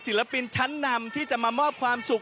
ศิลปินชั้นนำที่จะมามอบความสุข